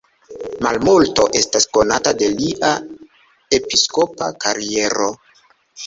Malmulto estas konata de lia episkopa kariero.